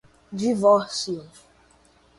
divórcio